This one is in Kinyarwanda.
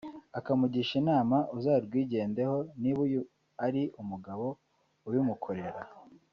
akamugisha inama uzarwigendeho niba uyu ari umugabo ubimukorera